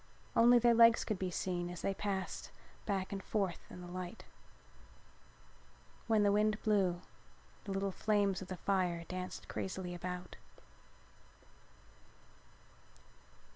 Only their legs could be seen as they passed back and forth in the light. When the wind blew the little flames of the fire danced crazily about.